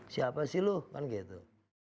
siapa sih loh kan gitu